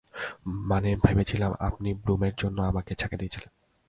মানে, ভেবেছিলাম আপনি ব্লুমের জন্য আমাকে ছ্যাকা দিয়েছিলেন।